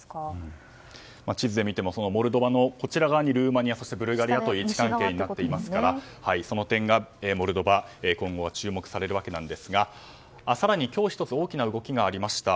地図で見てもモルドバの奥にルーマニアそしてブルガリアという位置関係になっていますからその点がモルドバ今後、注目されるわけですが更に今日、１つ大きな動きがありました。